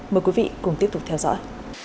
mời quý vị cùng theo dõi